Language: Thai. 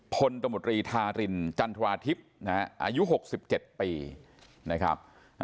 พลตมตรีทารินจันทวาทิพย์อายุ๖๗ปีนะครับ